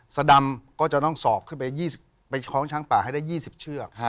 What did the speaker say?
สดำก็จะต้องสอบขึ้นไปคล้องช้างป่าให้ได้๒๐เชือก